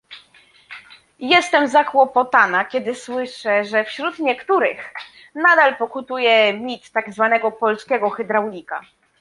Jestem zakłopotana, kiedy słyszę, że wśród niektórych nadal pokutuje mit tak zwanego polskiego hydraulika